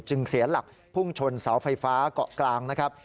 เสียหลักพุ่งชนเสาไฟฟ้าเกาะกลางนะครับ